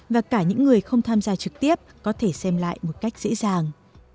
và cả những người không tham gia trực tiếp có thể xem lại một cách dễ dàng